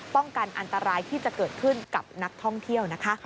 ป้องกันอันตรายที่จะเกิดขึ้นกับนักท่องเที่ยวนะคะ